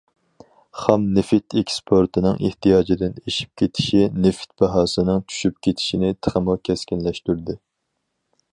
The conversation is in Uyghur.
خام نېفىت ئېكسپورتىنىڭ ئېھتىياجدىن ئېشىپ كېتىشى نېفىت باھاسىنىڭ چۈشۈپ كېتىشىنى تېخىمۇ كەسكىنلەشتۈردى.